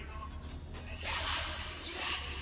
dan seorang nenek